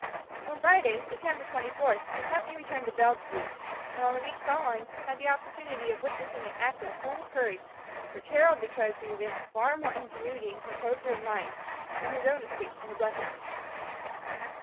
On Friday, September 24th, the company returned to Bellevue; and on the week following, had the opportunity of witnessing an act of cool courage, which Harold declared to evince far more ingenuity and composure of mind, than his own escape from the blood hounds.